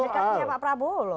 orang terdekatnya pak prabowo loh